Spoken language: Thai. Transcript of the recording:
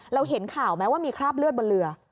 เห็นข่าวไหมว่ามีคราบเลือดบนเรือ